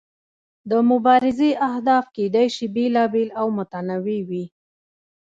د مبارزې اهداف کیدای شي بیلابیل او متنوع وي.